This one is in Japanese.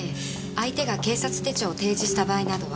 相手が警察手帳を提示した場合などは。